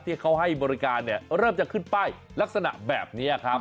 ที่เขาให้บริการเนี่ยเริ่มจะขึ้นป้ายลักษณะแบบนี้ครับ